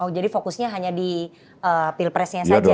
oh jadi fokusnya hanya di pilpresnya saja